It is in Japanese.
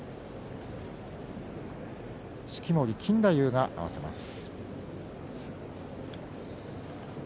式守錦太夫が合わせます。